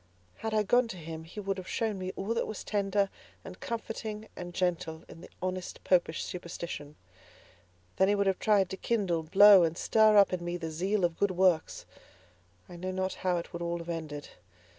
Had I gone to him, he would have shown me all that was tender, and comforting, and gentle, in the honest Popish superstition. Then he would have tried to kindle, blow and stir up in me the zeal of good works. I know not how it would all have ended.